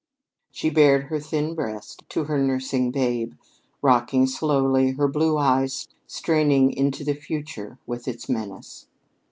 She bared her thin breast to her nursing babe, rocking slowly, her blue eyes straining into the future with its menace.